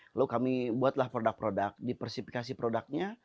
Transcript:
lalu kami buatlah produk produk diversifikasi produknya